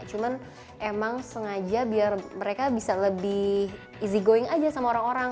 cuman emang sengaja biar mereka bisa lebih easy going aja sama orang orang